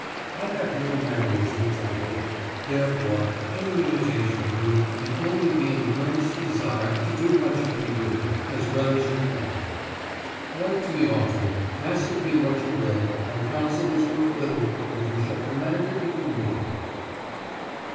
I have no mannerisms, I hope; therefore any imitation of me can only be in the earnest desire to do what you can do, as well as you can. Write to me often; ask of me what you will; my counsel is worth little, but you shall command it if you need it.